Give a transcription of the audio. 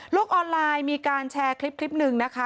ออนไลน์มีการแชร์คลิปหนึ่งนะคะ